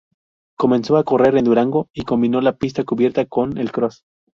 Comenzó a correr en Durango y combinó la pista cubierta con el cross.